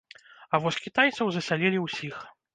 А вось кітайцаў засялілі ўсіх.